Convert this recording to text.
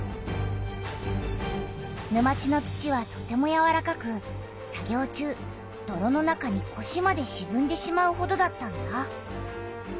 沼地の土はとてもやわらかく作業中どろの中にこしまでしずんでしまうほどだったんだ。